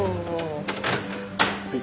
はい。